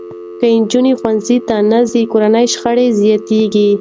که نجونې ښوونځي ته نه ځي، کورني شخړې زیاتېږي.